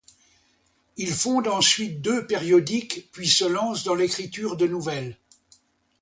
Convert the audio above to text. Il fonde ensuite deux périodiques puis se lance dans l'écriture de nouvelles.